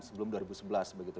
sebelum dua ribu sebelas begitu